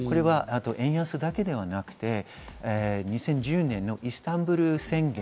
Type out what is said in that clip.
円安だけではなくて、２０１０年のイスタンブール宣言。